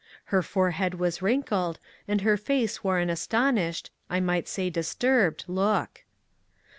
Her forehead was wrinkled, and her face wore an astonished, I might say disturbed, look.